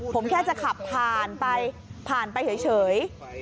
ผมแค่จะขับผ่านไปเฉย